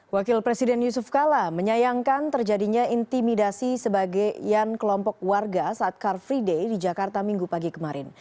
wakil presiden yusuf kala menyayangkan terjadinya intimidasi sebagai yan kelompok warga saat car free day di jakarta minggu pagi kemarin